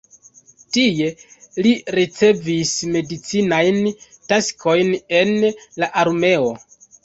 Tie li ricevis medicinajn taskojn en la armeo.